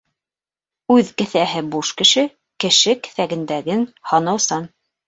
Үҙ кеҫәһе буш кеше, кеше кеҫәһендәген һанаусан.